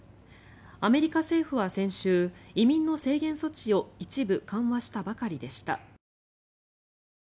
アメリカ政府は先週移民の制限措置を一部、緩和したばかりでした。